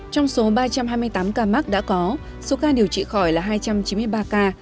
trong số ba trăm hai mươi tám ca mắc đã có số ca điều trị khỏi là hai trăm chín mươi ba ca